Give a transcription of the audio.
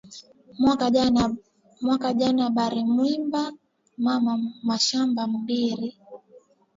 Mwaka jana bari mwiba mama mashamba mbiri